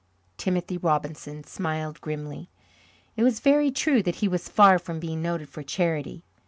Timothy Robinson smiled grimly. It was very true that he was far from being noted for charity.